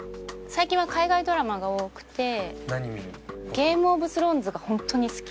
『ゲーム・オブ・スローンズ』が本当に好き。